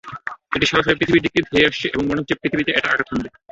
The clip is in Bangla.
এটা সরাসরি পৃথিবীর দিকে ধেয়ে আসছে এবং মনে হচ্ছে পৃথিবীতে এটা আঘাত হানবে!